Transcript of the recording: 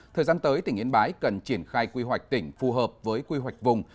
thời gian tới tỉnh yên bái cần triển khai quy hoạch tỉnh phù hợp với quy hoạch vùng